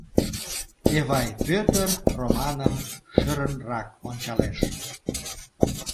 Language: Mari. Эвай Пӧтыр Романым шӧрынрак ончалеш.